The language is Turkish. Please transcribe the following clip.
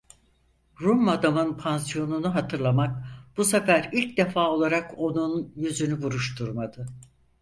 Rum madamın pansiyonunu hatırlamak bu sefer ilk defa olarak onun yüzünü buruşturmadı.